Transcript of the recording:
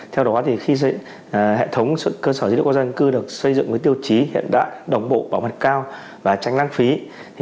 theo đó khi hệ thống cơ sở dữ liệu quốc gia dân cư được xây dựng với tiêu chí hiện đại đồng bộ bảo mật cao và tránh lãng phí